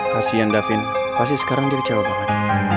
kasian davin pasti sekarang jadi kecewa banget